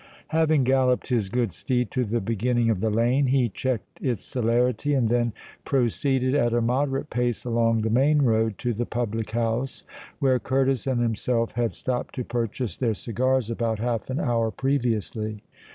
Having galloped his good steed to the beginning of the lane, he checked its celerity, and then proceeded at a moderate pace along the main road to the public house where Curtis and himself had stopped to purchase their cigars about half an hour previously.